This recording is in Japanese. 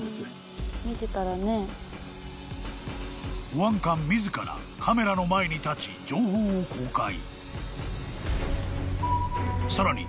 ［保安官自らカメラの前に立ち情報を公開］